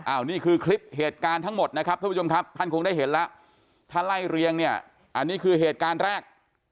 อันนี้คือคลิปเหตุการณ์ทั้งหมดนะครับท่านผู้ชมครับท่านคงได้เห็นแล้วถ้าไล่เรียงเนี่ยอันนี้คือเหตุการณ์แรก